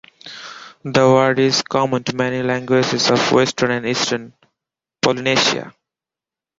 The word is common to many languages of Western and Eastern Polynesia.